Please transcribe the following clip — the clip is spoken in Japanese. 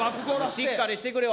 しっかりしてくれよ。